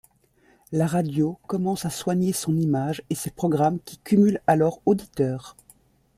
La radio commence à soigner son image et ses programmes qui cumulent alors auditeurs.